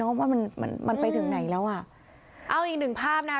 มันมันไปถึงไหนแล้วอ้าวอีกหนึ่งภาพนะคะ